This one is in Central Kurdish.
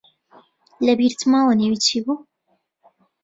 لەبیرت ماوە نێوی چی بوو؟